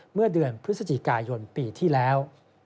เมื่อเดือนพฤศจิกายนปีที่แล้ว